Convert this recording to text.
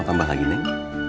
mau tambah lagi neng